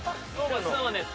ＳｎｏｗＭａｎです。